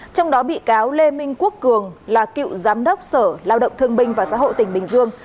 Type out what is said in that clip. trong đó bị cáo lê minh quốc cường là cựu giám đốc sở lao động thương binh và xã hội tỉnh bình dương